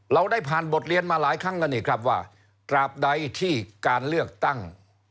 เราได้ผ่านบทเรียนมาหลายครั้งแล้วนี่ครับว่าตราบใดที่การเลือกตั้ง